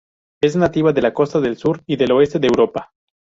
Es nativa de la costa del sur y del oeste de Europa.